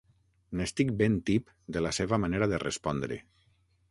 N'estic ben tip, de la seva manera de respondre.